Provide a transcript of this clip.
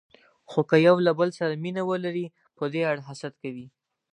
خو که یو له بل سره مینه ولري، په دې اړه حسد کوي.